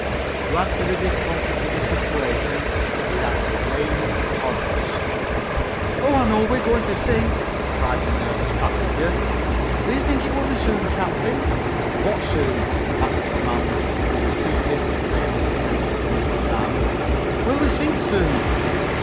To add to the discomforts of the situation, it began to rain in torrents. "Oh, I know we're going to sink!" cried the nervous passenger. "Do you think it will be soon, captain?" "What soon?" asked the commander, who was too busy to pay much attention to Mr. Tarbill. "Will we sink soon?"